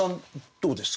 どうですか？